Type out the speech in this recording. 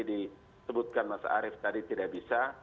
jadi disebutkan mas arief tadi tidak bisa